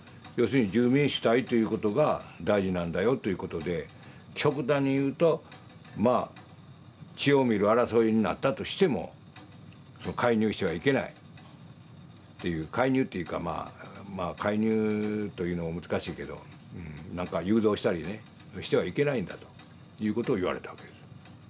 要するに住民主体ということが大事なんだよということで極端に言うとまあ血を見る争いになったとしても介入してはいけないっていう介入っていうかまあまあ介入というのも難しいけどなんか誘導したりねしてはいけないんだということを言われたわけです。